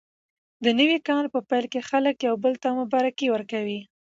د نوي کال په پیل کې خلک یو بل ته مبارکي ورکوي.